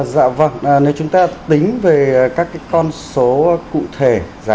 dạ vâng nếu chúng ta tính về các con số cụ thể giá